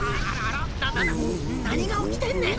ななな何が起きてんねん！